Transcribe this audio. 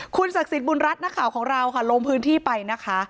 คุณศักดิ์สิทธิ์บุญรัฐนักข่าวของเราค่ะลงพื้นที่ไปนะคะ